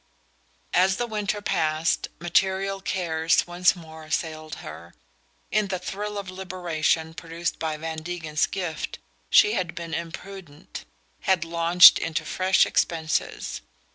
As the winter passed, material cares once more assailed her. In the thrill of liberation produced by Van Degen's gift she had been imprudent had launched into fresh expenses.